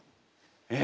え！